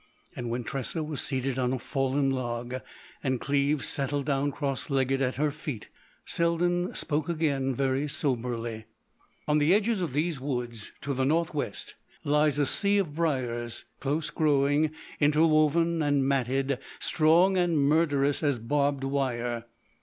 And when Tressa was seated on a fallen log, and Cleves settled down cross legged at her feet, Selden spoke again, very soberly: "On the edges of these woods, to the northwest, lies a sea of briers, close growing, interwoven and matted, strong and murderous as barbed wire.